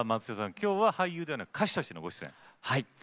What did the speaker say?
きょうは俳優ではなく歌手としてのご出演。